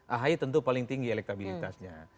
ahy tentu paling tinggi elektabilitasnya